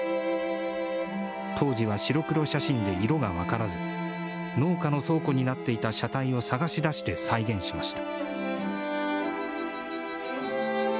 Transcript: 当時は白黒写真で色が分からず、農家の倉庫になっていた車体を探し出して再現しました。